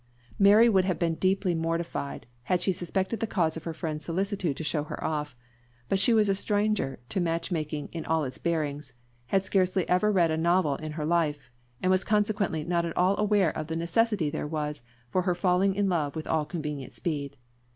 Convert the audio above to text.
Mary would have been deeply mortified had she suspected the cause of her friend's solicitude to show her off; but she was a stranger to match making in all its bearings, had scarcely ever read a novel in her life, and was consequently not at all aware of the necessity there was for her falling in love with all convenient speed.